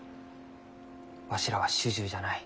わしらは主従じゃない。